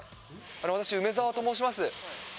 私、梅澤と申します。